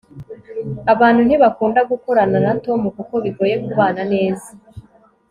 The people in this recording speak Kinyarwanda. abantu ntibakunda gukorana na tom kuko bigoye kubana neza